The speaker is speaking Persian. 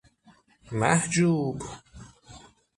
محجوب